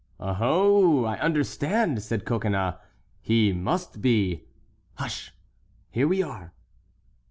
"Oho, I understand!" said Coconnas; "he must be"— "Hush! here we are."